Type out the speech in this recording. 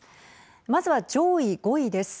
まずは上位５位です。